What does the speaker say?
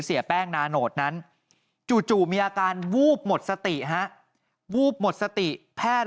เสียแป้งนาโนตนั้นจู่มีอาการวูบหมดสติฮะวูบหมดสติแพทย์